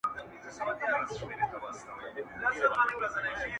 د کلي سيند راته هغه لنده خيسته راوړې”